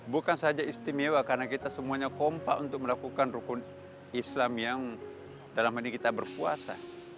bukan saja istimewa karena kita semuanya kompak untuk melakukan rukun islam yang dalam ini kita berpuasa